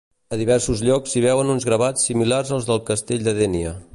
A diversos llocs s'hi veuen uns gravats similars als del Castell de Dénia.